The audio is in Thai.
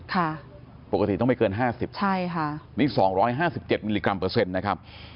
ค่ะปกติต้องไม่เกินห้าสิบใช่ค่ะนี่สองร้อยห้าสิบเจ็ดมิลลิกรัมเปอร์เซ็นต์นะครับ